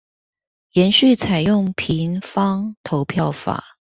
延續採用平方投票法